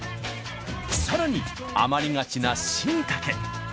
更に余りがちなしいたけ。